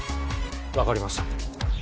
分かりました